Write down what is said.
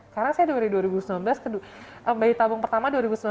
karena saya dari dua ribu sembilan belas bayi tabung pertama dua ribu sembilan belas